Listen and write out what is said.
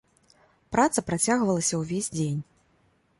Праца працягвалася ўвесь дзень.